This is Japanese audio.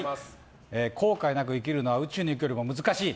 後悔なく生きるのは宇宙に行くよりも難しい。